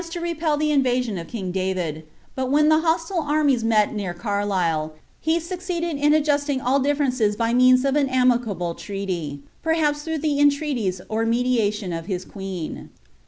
147 to repel the inTasion of king David ; but when the hosthe armies met near Carlisle, he succeeded in adjusting all differences by means of an iroicable treaty, perhaps through the in treaties or mediation of his queen.